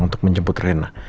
untuk menjemput rena